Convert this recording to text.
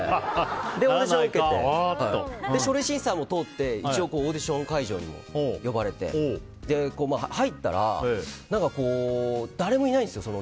それでオーディションを受けて書類審査も通ってオーディション会場にも呼ばれて入ったら、誰もいないんですよ。